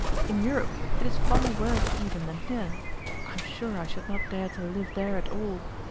In Europe it is far worse even than here. I'm sure I should not dare to live there at all.